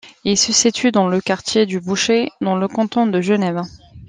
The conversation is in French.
Il se situe dans le quartier du Bouchet dans le canton de Genève.